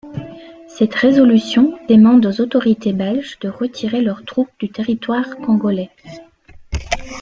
Cette résolution demande aux autorités belges de retirer leurs troupes du territoire congolais.